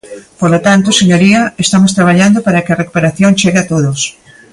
Polo tanto, señoría, estamos traballando para que a recuperación chegue a todos.